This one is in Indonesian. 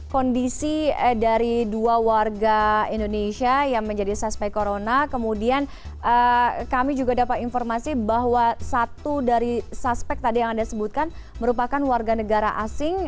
kondisi dari dua warga indonesia yang menjadi suspek corona kemudian kami juga dapat informasi bahwa satu dari suspek tadi yang anda sebutkan merupakan warga negara asing